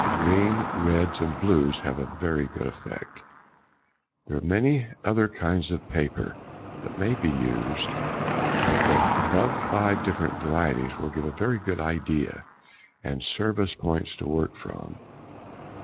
Green, reds, and blues have a very good effect. There are many other kinds of paper that may be used, but the above five different varieties will give a very good idea and serve as points to work from.